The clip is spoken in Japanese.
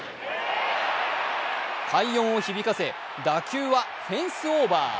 快音を響かせ、打球はフェンスオーバー。